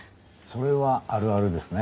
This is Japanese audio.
それはあるあるですね。